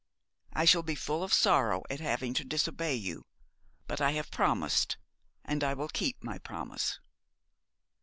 I shall be full of sorrow at having to disobey you, but I have promised, and I will keep my promise.'